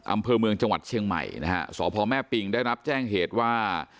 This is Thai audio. อำเภอเมืองจังหวัดเชียงใหม่นะฮะสพแม่ปิงได้รับแจ้งเหตุว่า